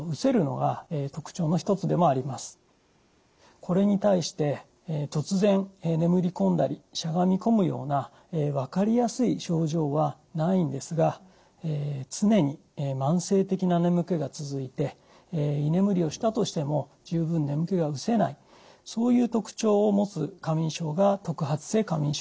これに対して突然眠り込んだりしゃがみ込むような分かりやすい症状はないんですが常に慢性的な眠気が続いて居眠りをしたとしても十分眠気が失せないそういう特徴を持つ過眠症が特発性過眠症です。